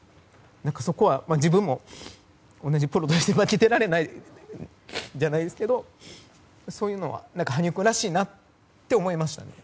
そこは、自分も同じプロとして負けてられないじゃないですけどそういうのは羽生君らしいなって思いましたね。